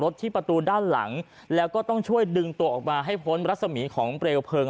ที่ประตูด้านหลังแล้วก็ต้องช่วยดึงตัวออกมาให้พ้นรัศมีของเปลวเพลิง